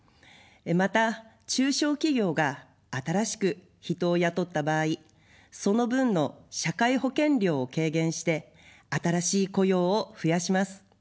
また中小企業が新しく人を雇った場合、その分の社会保険料を軽減して新しい雇用を増やします。